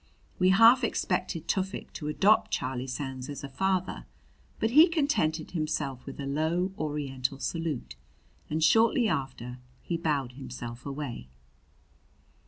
We half expected Tufik to adopt Charlie Sands as a father; but he contented himself with a low Oriental salute, and shortly after he bowed himself away.